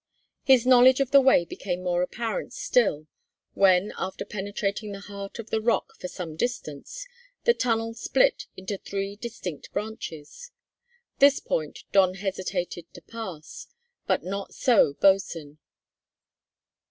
His knowledge of the way became more apparent still when, after penetrating the heart of the rock for some distance, the tunnel split into three distinct branches. This point Don hesitated to pass; but not so Bosin.